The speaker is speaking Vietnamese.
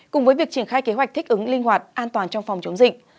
cùng với việc triển khai kế hoạch thích ứng linh hoạt an toàn trong phòng chống dịch